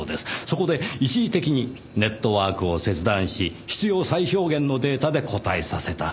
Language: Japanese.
そこで一時的にネットワークを切断し必要最小限のデータで答えさせた。